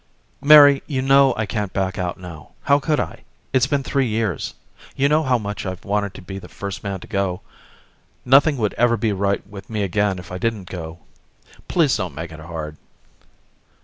"Mary, you know I can't back out now. How could I? It's been three years. You know how much I've wanted to be the first man to go. Nothing would ever be right with me again if I didn't go. Please don't make it hard."